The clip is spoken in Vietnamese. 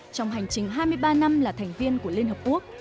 trong hành trình hai mươi ba năm là thành viên của liên hợp quốc